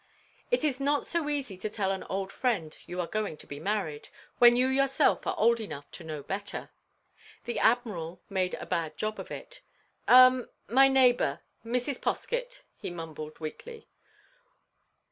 It is not so easy to tell an old friend you are going to be married, when you yourself are old enough to know better. The Admiral made a bad job of it. "Um—my neighbour—Mrs. Poskett—" he mumbled, weakly.